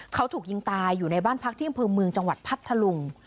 เขาถูกยิงตายอยู่ในบ้านพักที่อำเภอเมืองจังหวัดพัทธลุง